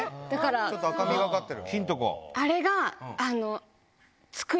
ちょっと赤みがかってる。